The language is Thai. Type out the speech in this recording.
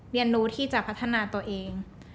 เรียนรู้ที่จะพัฒนาตัวเอง